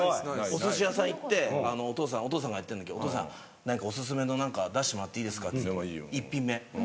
おすし屋さん行ってお父さんがやってんだけどお父さんお薦めの何か出してもらっていいですかっつって。